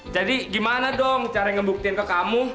jadi gimana dong cara ngebuktiin ke kamu